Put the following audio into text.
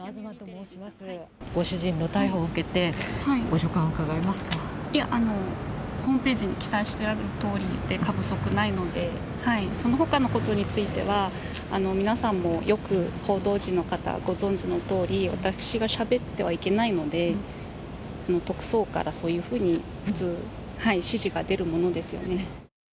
ご主人の逮捕を受けて、いや、ホームページに記載してあるとおりで過不足ないので、そのほかのことについては、皆さんもよく報道陣の方、ご存じのとおり、私がしゃべってはいけないので、特捜からそういうふうに普通、指示が出るものですよね。